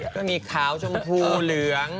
ก็มีขาวชมพูเหลือง